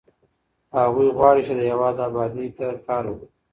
هغوی غواړي چې د هېواد ابادۍ ته کار وکړي.